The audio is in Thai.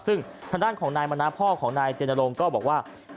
ซึ่งทางด้านของนายมณะพ่อของนายเจนรงค์ก็บอกว่า